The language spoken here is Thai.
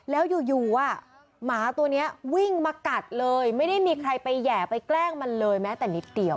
แล้วอยู่หมาตัวนี้วิ่งมากัดเลยไม่ได้มีใครไปแห่ไปแกล้งมันเลยแม้แต่นิดเดียว